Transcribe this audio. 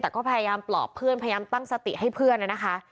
แต่ก็พยายามปลอบเพื่อนพยายามตั้งสติให้เพื่อนนะคะ